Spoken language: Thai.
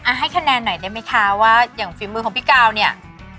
ให้คะแนนหน่อยได้ไหมคะว่าอย่างฝีมือของพี่กาวเนี่ย